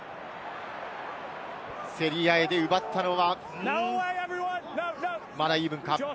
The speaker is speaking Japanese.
競り合いで奪ったのはまだイーブンか？